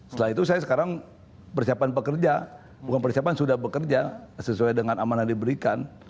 setelah itu saya sekarang persiapan pekerja bukan persiapan sudah bekerja sesuai dengan amanah diberikan